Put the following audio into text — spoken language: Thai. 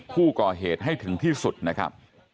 ผู้ก่อเหตุให้ถึงที่สุดนะครับ